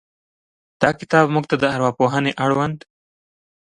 دا کتاب موږ ته د ارواپوهنې اړوند